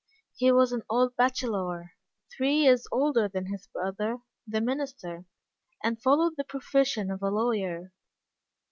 He was an old bachelor, three years older than his brother, the minister, and followed the profession of a lawyer.